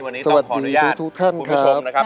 วันนี้ต้องขออนุญาตคุณผู้ชมนะครับ